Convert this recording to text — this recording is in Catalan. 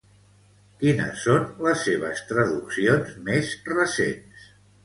Quines són les seves traduccions més recents?